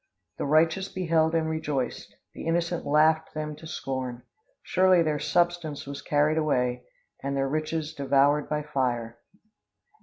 The righteous beheld and rejoiced, The innocent laughed them to scorn, Surely their substance was carried away, And their riches devoured by fire."